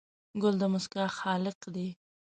ګل د موسکا خالق دی.